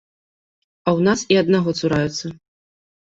А ў нас і аднаго цураюцца.